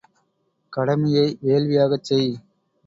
கடமையை வேள்வியாகச் செய்!